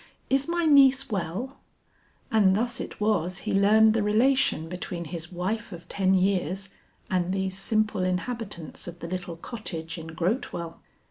Is my niece well?" And thus it was he learned the relation between his wife of ten years and these simple inhabitants of the little cottage in Grotewell.